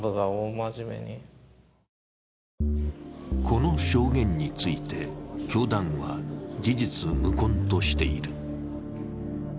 この証言について、教団は事実無根としている。